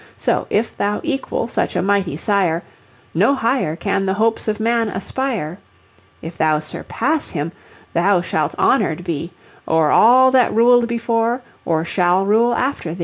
So, if thou equal such a mighty sire, No higher can the hopes of man aspire; If thou surpass him, thou shalt honoured be O'er all that ruled before, or shall rule after thee.